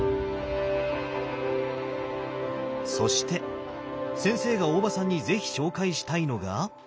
そして先生が大場さんに是非紹介したいのが。